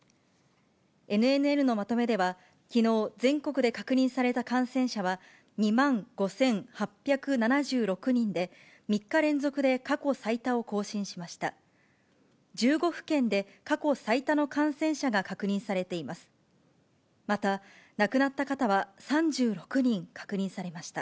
ＮＮＮのまとめでは、きのう全国で確認された感染者は２万５８７６人で、３日連続で過去最多を更新しました。